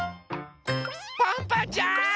パンパンちゃん！